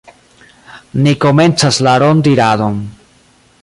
Ni komencas la rondiradon.